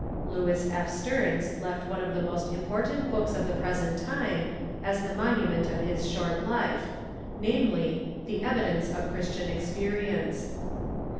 Lewis F. Stearns left one of the most im portant books of the present time as the monument of his short life — namely, "The Evidence of Christian Experience."